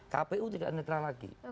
kpu tidak netral lagi